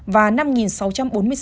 và năm ca tử vong